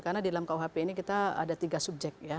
karena di dalam kuhp ini kita ada tiga subjek ya